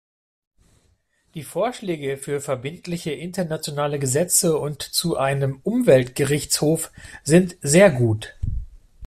Die Vorschläge für verbindliche internationale Gesetze und zu einem Umweltgerichtshof sind sehr gut.